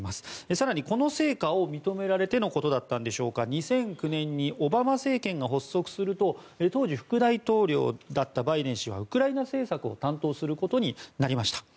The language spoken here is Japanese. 更にこの成果が認められてのことだったのでしょうか２００９年にオバマ政権が発足すると当時、副大統領だったバイデン氏はウクライナ政策を担当することになりました。